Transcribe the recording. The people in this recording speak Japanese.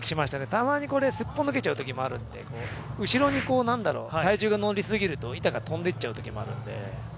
たまにこれ、すっぽ抜けちゃうときもあるので、後ろに体重が乗りすぎると板が飛んでいっちゃうときもあるので。